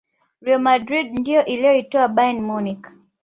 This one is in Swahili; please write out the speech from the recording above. real madrid ndiyo iliyoitoa bayern munich